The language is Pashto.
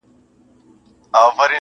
نن به واخلي د تاریخ کرښي نومونه؛